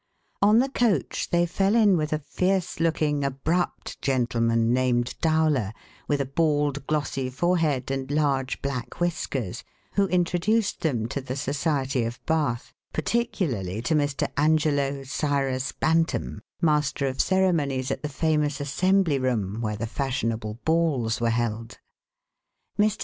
On the coach they fell in with a fierce looking, abrupt gentleman named Dowler, with a bald, glossy forehead and large black whiskers, who introduced them to the society of Bath, particularly to Mr. Angelo Cyrus Bantam, master of ceremonies at the famous Assembly Room, where the fashionable balls were held. Mr.